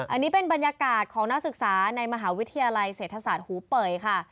อันนี้เป็นบรรยากาศของนักศึกษาในมหาวิทยาลัยเศรษฐศาสตร์หูเป่ยค่ะ